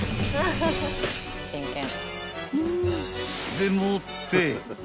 ［でもって］